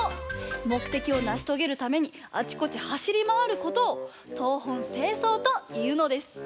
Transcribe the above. もくてきをなしとげるためにあちこち走りまわることを東奔西走というのです。